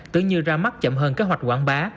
tự nhiên ra mắt chậm hơn kế hoạch quảng bá